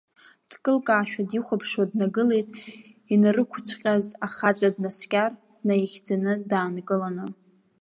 Дкылкаашәа дихәаԥшуа днагылеит, инарықәыцәҟьаз ахаҵа днаскьар, днаихьӡаны, даанкыланы.